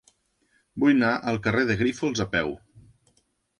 Vull anar al carrer de Grífols a peu.